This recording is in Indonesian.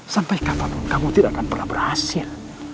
sampai kapanpun kamu tidak akan pernah berhasil